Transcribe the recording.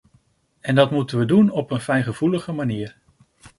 En dat moeten we doen op een fijngevoelige manier.